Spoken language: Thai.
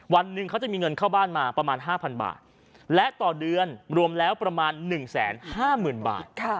วันหนึ่งเขาจะมีเงินเข้าบ้านมาประมาณ๕๐๐บาทและต่อเดือนรวมแล้วประมาณ๑๕๐๐๐บาท